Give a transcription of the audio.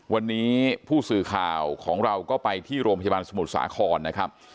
วันนี้ผู้สื่อข่าวของเราก็ไปที่โรงพยาบาลสมุทรสาครนะครับ